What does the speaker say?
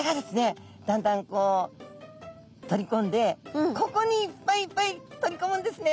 だんだんこう取りこんでここにいっぱいいっぱい取りこむんですね。